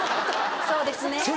そうですね。